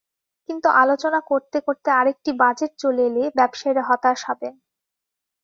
কিন্তু আলোচনা করতে করতে আরেকটি বাজেট চলে এলে ব্যবসায়ীরা হতাশ হবেন।